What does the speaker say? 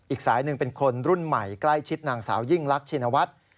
อีกสายหนึ่งเป็นคนรุ่นใหม่ใกล้ชิดนางสาวยิ่งรักชินวัฒน์